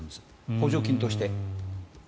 補助金として。